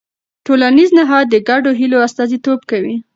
ټولنیز نهاد د ګډو هيلو استازیتوب کوي.